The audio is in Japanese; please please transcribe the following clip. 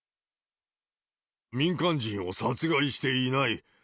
民間人を殺害していない。